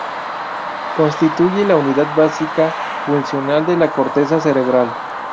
Constituye la unidad básica funcional de la corteza cerebral.